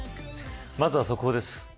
まずは速報です。